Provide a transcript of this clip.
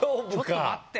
ちょっと待って！